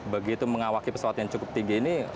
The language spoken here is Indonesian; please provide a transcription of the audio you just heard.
begitu mengawaki pesawat yang cukup tinggi ini